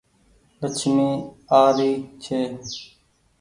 لڇمي آ ري ڇي۔